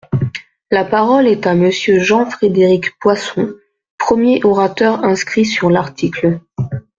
La parole est à Monsieur Jean-Frédéric Poisson, premier orateur inscrit sur l’article.